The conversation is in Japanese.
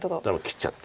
切っちゃって。